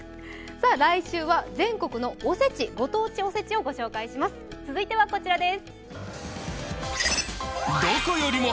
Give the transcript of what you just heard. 来週は全国のおせち、ご当地おせちをご紹介します。